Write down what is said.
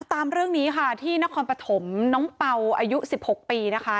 ตามเรื่องนี้ค่ะที่นครปฐมน้องเป่าอายุ๑๖ปีนะคะ